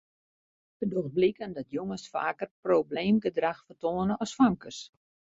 It docht bliken dat jonges faker probleemgedrach fertoane as famkes.